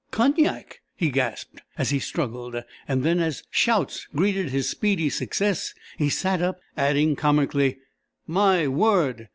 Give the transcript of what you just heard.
"Cognac!" he gasped, as he struggled, and then, as shouts greeted his speedy success, he sat up, adding comically: "My word!